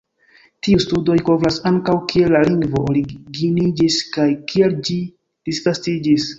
Tiuj studoj kovras ankaŭ kie la lingvo originiĝis kaj kiel ĝi disvastiĝis.